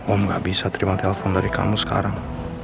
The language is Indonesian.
om gak bisa terima telepon dari kamu sekarang